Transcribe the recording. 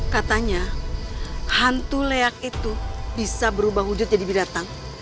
katanya hantu leak itu bisa berubah wujud jadi binatang